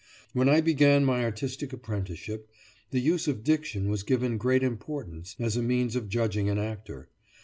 When I began my artistic apprenticeship, the use of diction was given great importance, as a means of judging an actor.